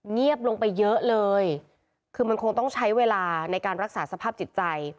เงียบลงไปเยอะเลยคือมันคงต้องใช้เวลาในการรักษาสภาพจิตใจ